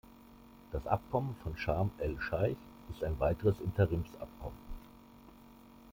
Das Abkommen von Scharm el Scheich ist ein weiteres Interimsabkommen.